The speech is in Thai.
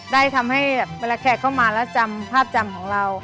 ได้ทำให้เวลาแขกเข้ามาแล้วจำภาพจำของเรา